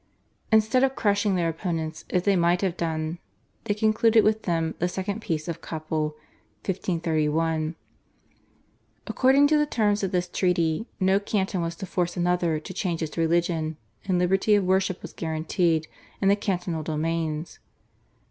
Instead of crushing their opponents, as they might have done, they concluded with them the second Peace of Kappel (1531). According to the terms of this treaty, no canton was to force another to change its religion, and liberty of worship was guaranteed in the cantonal domains.